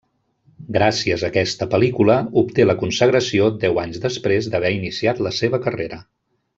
Gràcies a aquesta pel·lícula, obté la consagració deu anys després d'haver iniciat la seva carrera.